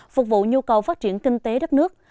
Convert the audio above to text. phục vụ nhu cầu phát triển kinh tế đất nước